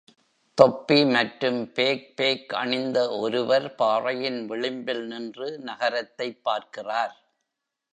தொப்பி மற்றும் பேக்பேக் அணிந்த ஒருவர் பாறையின் விளிம்பில் நின்று நகரத்தைப் பார்க்கிறார்.